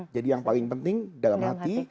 jadi yang paling penting dalam hati